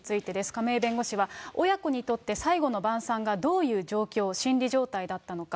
亀井弁護士は、親子にとって最後の晩さんがどういう状況、心理状態だったのか。